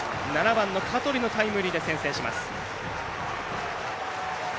香取のタイムリーで先制します。